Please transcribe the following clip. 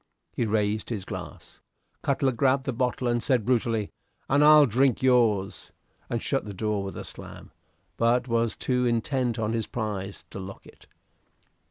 He raised his glass. Cutler grabbed the bottle and said, brutally, "And I'll drink yours!" and shut the door with a slam, but was too intent on his prize to lock it.